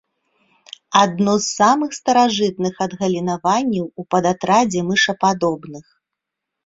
Адно з самых старажытных адгалінаванняў ў падатрадзе мышападобных.